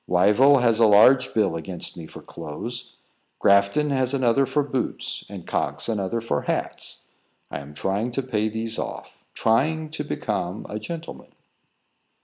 Wyville has a large bill against me for clothes, Grafton another for boots, and Cox another for hats. I am trying to pay these off trying to become a gentleman."